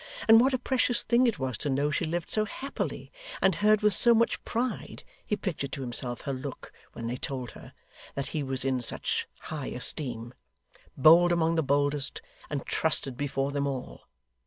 And what a precious thing it was to know she lived so happily, and heard with so much pride (he pictured to himself her look when they told her) that he was in such high esteem: bold among the boldest, and trusted before them all!